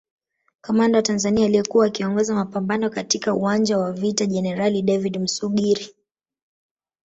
Kamanda wa Tanzania aliyekuwa akiongoza mapambano katika uwanja wa vita Jenerali David Musuguri